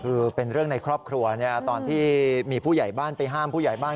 คือเป็นเรื่องในครอบครัวตอนที่มีผู้ใหญ่บ้านไปห้ามผู้ใหญ่บ้าน